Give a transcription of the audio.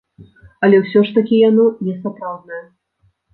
Але ўсё ж такі яно не сапраўднае.